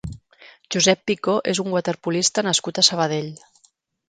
Josep Picó és un waterpolista nascut a Sabadell.